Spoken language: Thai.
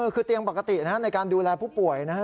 คือเตียงปกติในการดูแลผู้ป่วยนะฮะ